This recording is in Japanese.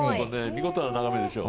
見事な眺めでしょう？